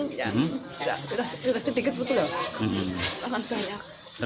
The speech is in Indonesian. kita sedikit sedikit lah